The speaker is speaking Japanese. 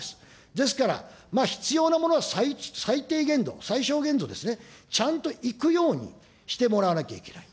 ですから、必要なものは最低限度、最小限度ですね、ちゃんと行くようにしてもらわなきゃいけない。